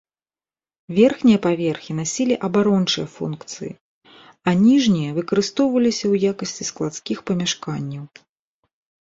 Верхнія паверхі насілі абарончыя функцыі а ніжнія выкарыстоўваліся ў якасці складскіх памяшканняў.